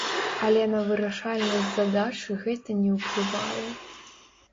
Але на вырашальнасць задачы гэта не ўплывае!